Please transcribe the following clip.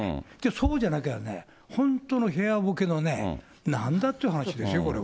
そうじゃなきゃね、本当に平和ぼけのね、なんだという話ですよ、これは。